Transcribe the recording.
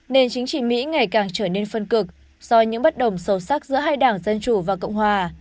nền chính trị mỹ ngày càng trở nên phân cực do những bất đồng sâu sắc giữa hai đảng dân chủ và cộng hòa